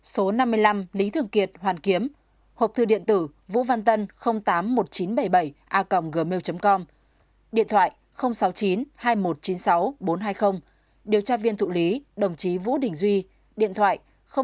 số năm mươi năm lý thường kiệt hoàn kiếm hộp thư điện tử vũ văn tân tám mươi một nghìn chín trăm bảy mươi bảy a gmail com điện thoại sáu mươi chín hai triệu một trăm chín mươi sáu nghìn bốn trăm hai mươi điều tra viên thụ lý đồng chí vũ đình duy điện thoại chín trăm tám mươi bốn hai trăm bảy mươi bảy nghìn hai trăm tám mươi bốn